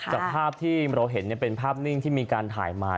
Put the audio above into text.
จากภาพที่เราเห็นเป็นภาพนิ่งที่มีการถ่ายมา